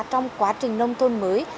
trong quá trình nông thôn mới